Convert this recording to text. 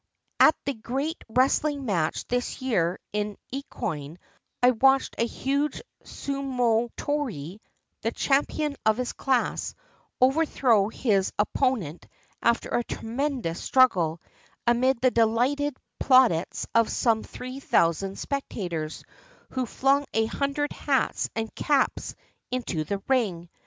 At the great wrestHng match this year in Ekoin I watched a huge sumotori, the champion of his class, overthrow his oppo nent after a tremendous struggle, amid the dehghted plaudits of some three thousand spectators, who flung a hundred hats and caps into the ring.